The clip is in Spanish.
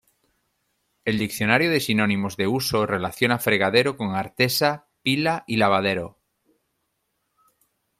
El diccionario de sinónimos de uso relaciona fregadero con artesa, pila y lavadero.